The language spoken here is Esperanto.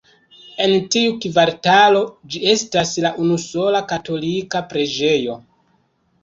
En tiu kvartalo ĝi estas la unusola katolika preĝejo.